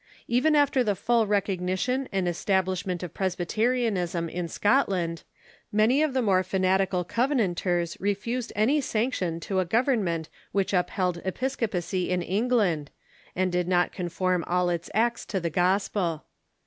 Even after the full recognition and es tablishment of Presbyterianism in Scotland, many of the more fanatical Covenanters refused any sanction to a government which upheld episcopacy in England, and did not conform all its acts to the gospel.